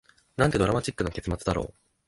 なんてドラマチックな結末だろう